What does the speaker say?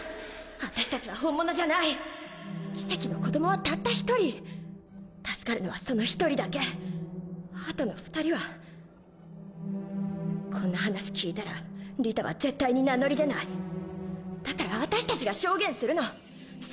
私たちは本物奇蹟の子どもはたった一人助かるのはその一人だけあとの二人はこんな話聞いたらリタは絶対に名乗だから私たちが証言するの。